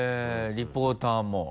リポーターも。